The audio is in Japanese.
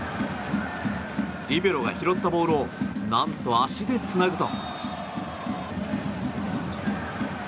リベロが拾ったボールを何と足でつなぐと。